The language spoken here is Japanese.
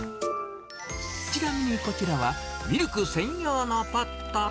ちなみにこちらは、ミルク専用のポット。